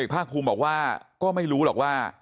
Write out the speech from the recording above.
ภาคภูมิบอกว่าก็ไม่รู้หรอกว่า